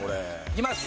いきます。